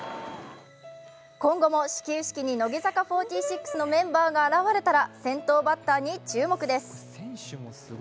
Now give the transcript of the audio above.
今後も始球式に乃木坂４６のメンバーが現れたら先頭バッターに注目です。